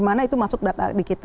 mana itu masuk data di kita